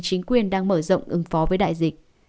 chính quyền đang mở rộng ứng phó với đại dịch